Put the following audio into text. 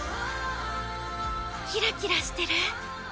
キラキラしてる！